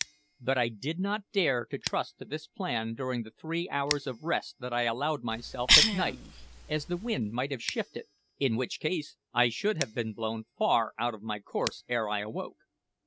But I did not dare to trust to this plan during the three hours of rest that I allowed myself at night, as the wind might have shifted, in which case I should have been blown far out of my course ere I awoke.